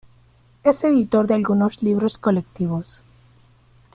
Es editor de algunos libros colectivos.